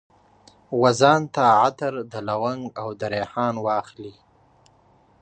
وځان ته عطر، د لونګ او دریحان واخلي